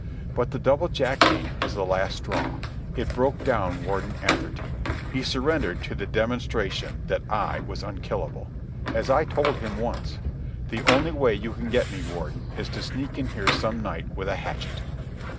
But the double jacketing was the last straw. It broke down Warden Atherton. He surrendered to the demonstration that I was unkillable. As I told him once: "The only way you can get me, Warden, is to sneak in here some night with a hatchet."